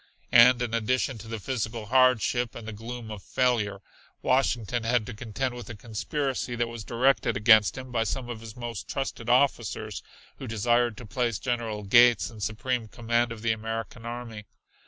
And in addition to the physical hardship and the gloom of failure, Washington had to contend with a conspiracy that was directed against him by some of his most trusted officers, who desired to place General Gates in supreme command of the American Army.